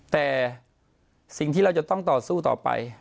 แต่สิ่งที่เราจะต้องต่อสู้ต่อไป